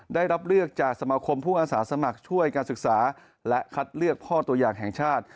ได้รับเลือกจากสมาคมผู้อาสาสมัครช่วยการศึกษาและคัดเลือกพ่อตัวอย่างแห่งชาติ